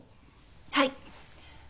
はい！